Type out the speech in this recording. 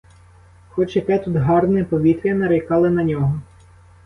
Хоч яке тут гарне повітря, нарікали на нього.